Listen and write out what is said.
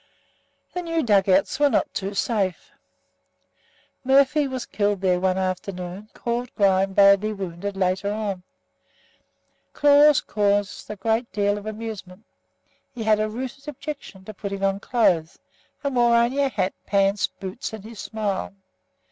The new dug outs were not too safe. Murphy was killed there one afternoon, and Claude Grime badly wounded later on. Claude caused a good deal of amusement. He had a rooted objection to putting on clothes and wore only a hat, pants, boots and his smile.